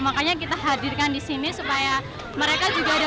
makanya kita hadirkan di sini supaya mereka juga dapat mengenali gitu